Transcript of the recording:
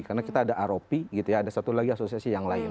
karena kita ada aropi gitu ya ada satu lagi asosiasi yang lain